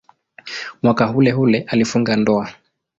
Mwaka uleule alifunga ndoa.